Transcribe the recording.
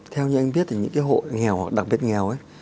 theo như anh biết thì những cái hộ nghèo hoặc đặc biệt nghèo ấy